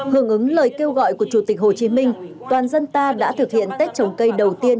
hưởng ứng lời kêu gọi của chủ tịch hồ chí minh toàn dân ta đã thực hiện tết trồng cây đầu tiên